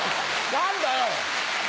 何だよ！